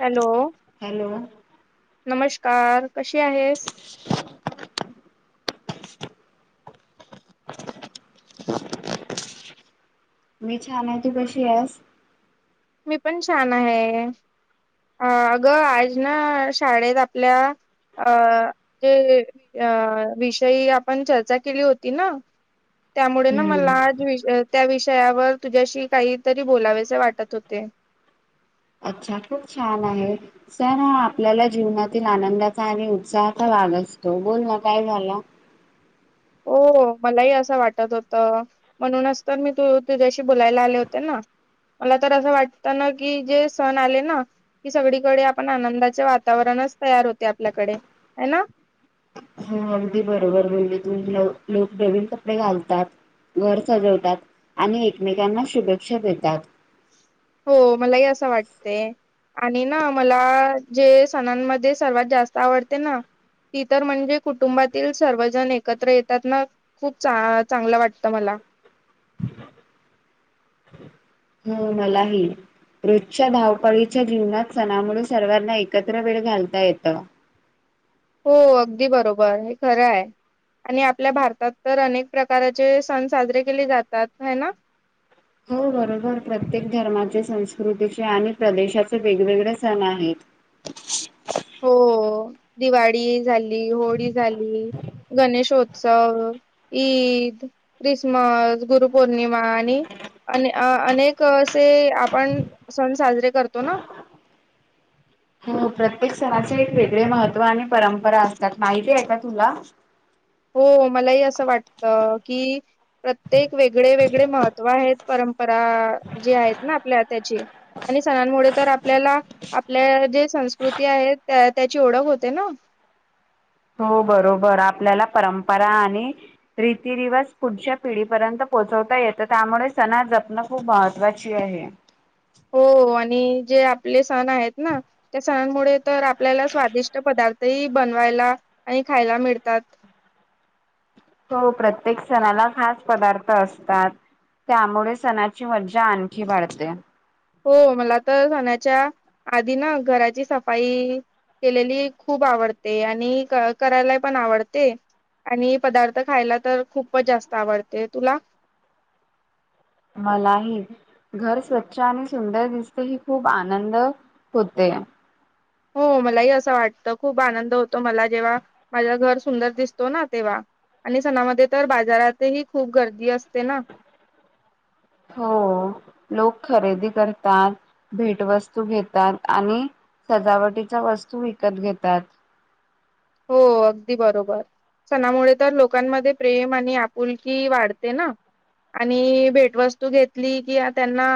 Hello, hello नमस्कार कशी आहेस. मी छान आहे. तू कशी आहेस. मी पण छान आहे. अ अग आज ना शाळेत आपल्या अ जे अ विषयी आपण चर्चा केली होती ना त्यामुळे ना मला हम्म, आज त्या विषयावर तुझ्याशी काहीतरी बोलावेसे वाटत होते. ते अच्छा, खूप छान आहे. सण हा आपल्याला जीवनातील आनंदाचा आणि उत्साहाचा भाग असतो. बोल ना काय झाल. हो मलाही असं वाटत होत. म्हणूनच तर मी तू तुझ्याशी बोलायला आले होते ना. मला तर असं वाटतं ना कि, जे सण आले ना कि सगळीकडे आपण आनंदाचे वातावरणच तयार होते आपल्याकडे. आहे ना. हगदी बरोबर बोलली तू. लोक नवीन कपडे घालतात. घर सजवतात. आणि एकमेकांना शुभेच्छा देतात. हो मलाही असं वाटते. आणि ना मला जे सणांमध्ये सर्वात जास्त आवडते ना ती तर म्हणजे कुटुंबातील सर्वजण एकत्र येतात ना. खूप चा चांगल वाटत मला. हम्म मलाही. रोजच्या धावपळीच्या जीवनात सणामुळे सर्वांना एकत्र वेळ घालता येत. हो अगदी बरोबर हे खरं आहे. आणि आपल्या भारतात तर अनेक प्रकारचे सण साजरे केले जातात. है ना. हो बरोबर. प्रत्येक धर्माचे संस्कृतीचे आणि प्रदेशाचे वेगवेगळे सण आहेत. [inaudible] हो दिवाळी झाली. होळी झाली. गणेशो सण ईद, क्रिसमस, गुरु पौर्णिमा आणि अ अनेक असे आपण सण साजरे करतो ना. हो प्रत्येक सणाचे एक वेगळे महत्त्व आणि परंपरा असतात. माहिती आहे का तुला. हो मलाही असं वाटत की प्रत्येक वेगळे वेगळे महत्त्व आहेत. परंपरा जी आहेत ना आपल्या त्याची. आणि सणांमुळे तर आपल्याला आपल्या जे संस्कृती आहे त्या त्याची ओळख होते ना. हो बरोबर. आपल्याला परंपरा आणि रीतीरिवाज पुढच्या पिढीपर्यंत पोहोचवता येत. त्यामुळे सणा जपणं खूप महत्त्वाची आहे. हो आणि जे आपले सण आहेत ना, त्या सणांमुळे तर आपल्याला स्वादिष्ट पदार्थ ती बनवायला आणि खायला मिळतात. हो प्रत्येक सणाला खास पदार्थ असतात. त्यामुळे सणाची मज्जा आणखी वाढते. हो. मला तर सण्याच्या आधी ना घराची सफाई केलेली खूप आवडते. आणि क करायला पण आवडते. आणि पदार्थ खायला तर खूपच जास्त आवडते. तुला मलाही. घर स्वच्छ आणि सुंदर दिसते. ही खूप आनंद होते. हो मलाही अस वाटत. खूप आनंद होतो. मला जेव्हा माझ घर सुंदर दिसतो ना तेव्हा. आणि सणामध्ये तर बाजारातही खूप गर्दी असते ना. हो लोक खरेदी करतात. भेटवस्तू घेतात. आणि सजावटीच्या वस्तू विकत घेतात. हो अगदी बरोबर. सणामुळे तर लोकांमध्ये प्रेम आणि आपुलकी वाढते ना. आणि भेटवस्तू घेतली कि, त्यांना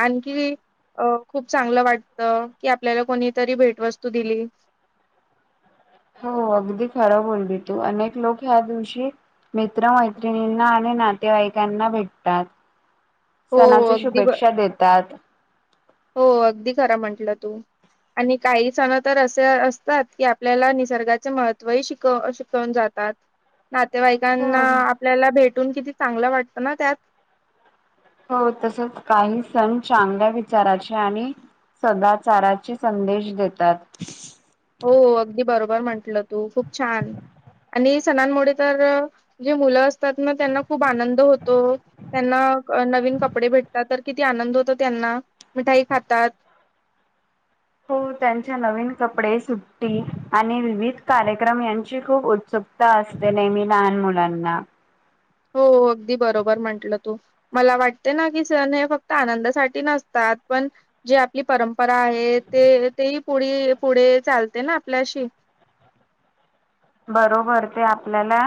आणखी अ खूप चांगलं वाटत की आपल्याला कोणीतरी भेटवस्तू दिली. हो अगदी खरं बोलली तू अनेक लोक ह्या दिवशी. मित्र मैत्रिणींना आणि नातेवाईकांना भेटतात. हो सणाच्या अगदी ब शुभेच्छा देतात. हो अगदी खरा म्हंटलं तू. आणि काही सण तर असे असतात की आपल्याला निसर्गाचे महत्त्वही शिकव शिकवून जातात. नातेवाईकांना आपल्याला भेटून किती चांगलं वाटतं ना त्यात. हो तसच काही सण चांगल्या विचाराचे आणि सदाचाराचे संदेश देतात. हो हो, अगदी बरोबर म्हंटलं तू खूप छान. आणि सणांमुळे तर जे मुलं असतात ना त्यांना खूप आनंद होतो त्यांना नवीन कपडे भेटतात तर किती आनंद होत त्यांना मिठाई खातात. हो त्यांच्या नवीन कपडे सुट्टी आणि विविध कार्यक्रम यांची खूप उत्सुकता. असते नेहमी लहान मुलांना. हो अगदी बरोबर म्हटलं तू. मला वाटते ना की सण हे फक्त आनंदासाठी नसतात पण. जी आपली परंपरा आहे ते तेही पुढ पुढे चालते ना आपल्याशी. बरोबर ते आपल्याला.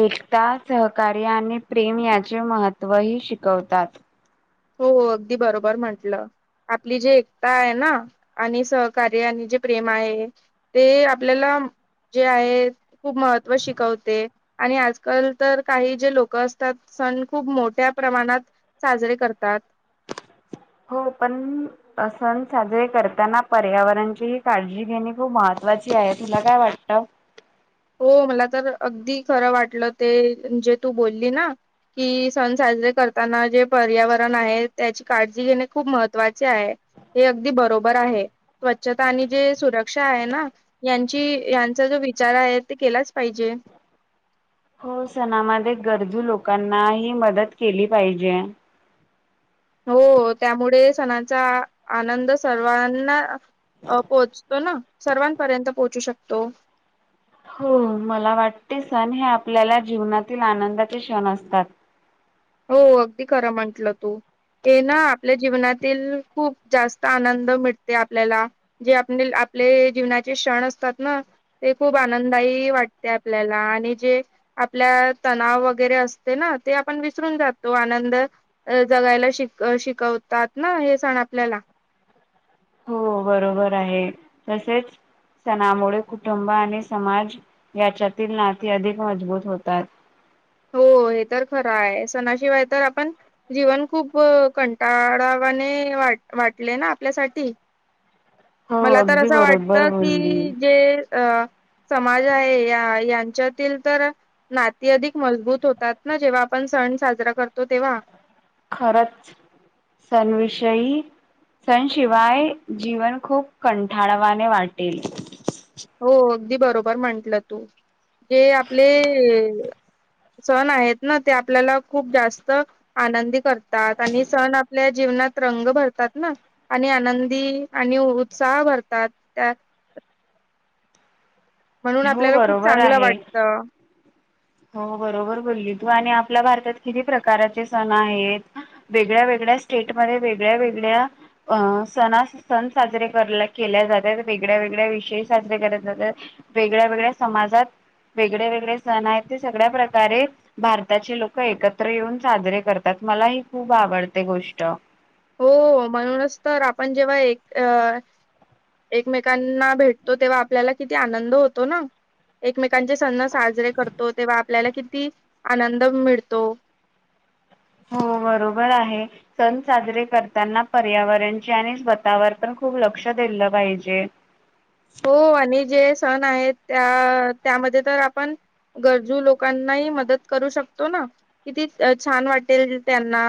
एकता सहकार्य आणि प्रेम याचे महत्त्व ही शिकवतात. हो अगदी बरोबर म्हटलं. आपली जी एकता आहे ना आणि सहकार्य आणि जे प्रेम आहे. ते आपल्याला जे आहे खूप महत्व शिकवते. आणि आजकाल तर काही जे लोक असतात सण खूप मोठ्या प्रमाणात साजरे करतात. तात हो पण सण साजरे करताना पर्यावरणची ही काळजी घेणे खूप महत्त्वाची आहे तुला काय वाटतं. हो मला तर अगदी खरं वाटलं ते जे तू बोलली ना! कि सण साजरे करताना जे पर्यावरण आहे त्याची काळजी घेणे खूप महत्त्वाचे आहे. हे अगदी बरोबर आहे. स्वच्छता आणि जे सुरक्षा आहे, ना यांची यांचा जो विचार आहे. ते केलाच पाहिजे. हो सणामध्ये गरजू लोकांनाही मदत केली पाहिजे. हो त्यामुळे सणाचा आनंद सर्वांना, अ पोहोचतोना सर्वांपर्यंत पोहोचू शकतो. हो मला वाटते सण हे आपल्याला जीवनातील आनंदाचे क्षण असतात. हो अगदी खरं म्हंटलं तू. हे ना आपल्या जीवनातील खूप जास्त आनंद मिटते आपल्याला. जे आपनील आपले जीवनाचे क्षण असतात ना! ते खूप आनंदाय वाटते आपल्याला आणि जे आपल्या तणाव वगैरे असते ना ते आपण. विसरून जातो. आनंद जगायला शिकवतात ना हे सण आपल्याला. हो बरोबर आहे तसेच. सणामुळे कुटुंब आणि समाज याच्यातील नाते अधिक मजबूत होतात. हो हे तर खरं आहे सणाशिवाय तर आपण. जीवन खूप कंटाळावाने वा वाटले ना आपल्यासाठी. हो मला तर अगदी असं वाटत बरोबर बोलली की जे. अ समाज आहे या यांच्यातील तर नाती अधिक मजबूत होतात ना जेव्हा आपण सण साजरा करतो तेव्हा. खरंच सणविषयी. सणशिवाय जीवन खूप कंठाळवाने वाटेल हो अगदी बरोबर म्हंटलं तू जे आपले सण आहेत ना ते आपल्याला खूप जास्त आनंदी करतात आणि सण आपल्या जीवनात रंग भरतात ना आणि आनंदी आणि उत्साह भरतात त्या म्हणून हो आपल्याला खूप बरोबर चांगलं आहे वाटतं. हो बरोबर बोलली तू आणि आपल्या भारतात किती प्रकारचे सण आहेत वेगळ्या वेगळ्या स्टेटमध्ये वेगळ्या वेगळ्या अं सणा सण साजरे केल्या जातात वेगळ्या वेगळ्या विषयी साजरे करत जातात वेगळ्या वेगळ्या समाजात वेगळे वेगळे सण आहेत ते सगळ्या प्रकारे भारताचे लोक एकत्र येऊन साजरे करतात मला ही खूप आवडते गोष्ट हो म्हणूनच तर आपण जेव्हा एक अ एकमेकांना भेटतो तेव्हा आपल्याला किती आनंद होतो ना एकमेकांचे सण् साजरे करतो तेव्हा आपल्याला किती आनंद मिळतो हो बरोबर आहे सण साजरे करताना पर्यावरणचे आणि स्वतःवर पण खूप लक्ष दिलं पाहिजे हो आणि जे सण आहेत त्या त्यामध्ये तर आपण गरजू लोकांनाही मदत करू शकतो ना किती अ छान वाटेल त्यांना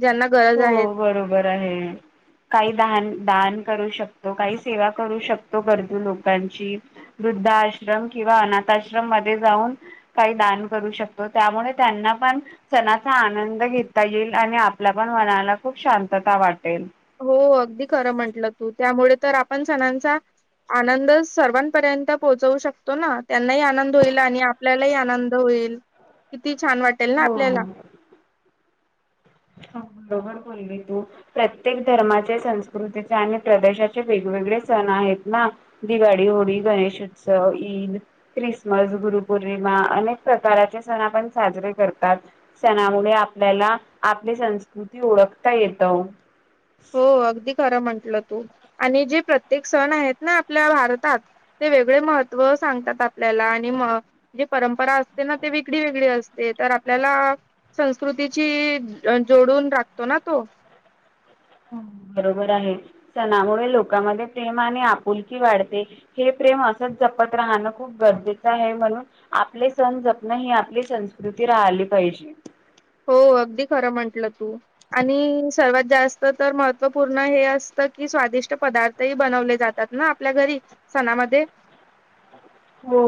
ज्यांना गरज हो आहेत. बरोबर आहे काही दाहाण दान करू शकतो काही सेवा करू शकतो गरजू लोकांची वृद्धा आश्रम किंवा अनाथ आश्रम मध्ये जाऊन काही दान करू शकतो त्यामुळे त्यांना पण सणाचा आनंद घेता येईल आणि आपला पण मनाला खूप शांतता वाटेल हो अगदी खरं म्हंटलं तू त्यामुळे तर आपण सणांचा आनंद सर्वांपर्यंत पोहोचवू शकतो ना त्यांनाही आनंद होईल आणि आपल्यालाही आनंद होईल किती छान वाटेल ना आपल्याला हो. ह बरोबर बोलली तू प्रत्येक धर्माचे संस्कृतीचे आणि प्रदेशाचे वेगवेगळे सण आहेत ना दिवाळी होळी गणेश उत्सव ईद ख्रिसमस गुरुपौर्णिमा अनेक प्रकाराचे सण आपण साजरे करतात सणामुळे आपल्याला आपली संस्कृती ओळखता येत हो अगदी खरं म्हंटलं तू आणि जे प्रत्येक सण आहेत ना आपल्या भारतात ते वेगळे महत्त्व सांगतात आपल्याला आणि मे परंपरा असते ना ते वेगळी वेगळी असते तर आपल्याला संस्कृतीची जोडून राखतो ना तो बरोबर आहे सणामुळे लोकांमध्ये प्रेम आणि आपुलकी वाढते हे प्रेम असंच जपत राहणं खूप गरजेचं आहे म्हणून आपले सण जपण ही आपली संस्कृती राहिली पाहिजे हो अगदी खरं म्हंटलं तू आणि सर्वात जास्त तर महत्त्वपूर्ण हे असतं की स्वादिष्ट पदार्थही बनवले जातात ना आपल्या घरी सणामध्ये हो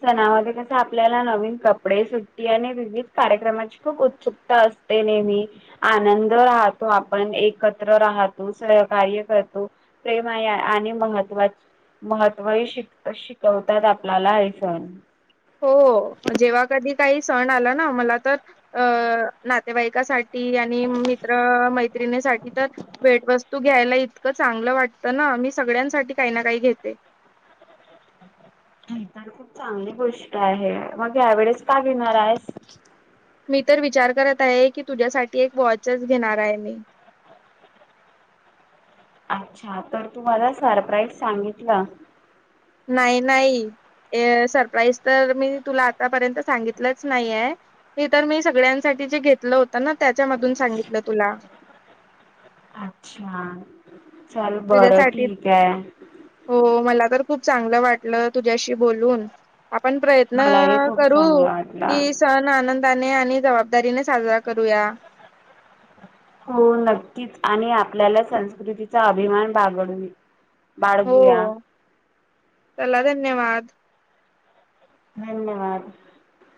सणामध्ये कस आपल्याला नवीन कपडे सुट्टी आणि विविध कार्यक्रमाची खूप उत्सुकता असते ते नेहमी आनंद राहतो आपण एकत्र राहतो सहकार्य करतो प्रेमा आणि महत्वा महत्त्वही शिक शिकवत आपल्याला आहेफोन हो जेव्हा कधी काही सण आला ना मला तर अ नातेवाईकासाठीठी आणि मित्र मैत्रिणीसाठी तर भेटवस्तू घ्यायला इतकं चांगलं वाटतं ना मी सगळ्यांसाठी काही ना काही घेते नाही तर खूप चांगली गोष्ट आहे मग यावेेळेस का घेणार आहेस मी तर विचार करत आहे की तुझ्यासाठी एक वॉचच घेणार आहे मी अच्छा तर तू मला सरप्राईज सांगितला नाही नाही सरप्राईज तर मी तुला आतापर्यंत सांगितलंच नाहीय हे तर मी सगळ्यांसाठी जे घेतलं होतं ना त्याच्यामधून सांगितलं तुला अच्छा चल बरं तुझ्यासाठी ठीक आहे हो मला तर खूप चांगलं वाटलं तुझ्याशी बोलून आपण प्रयत्न मलाही खूप करू चांगलं की वाटलं सण आनंद आणि जबाबदारीने साजरा करूया हो नक्कीच आणि आपल्याला संस्कृतीचा अभिमान बागडवी बाळगूया हो चला धन्यवाद धन्यवाद